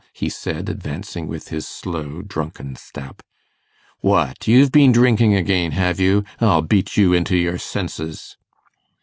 he said, advancing with his slow drunken step. 'What, you've been drinking again, have you? I'll beat you into your senses.